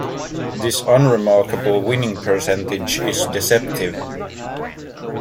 This unremarkable winning percentage is deceptive.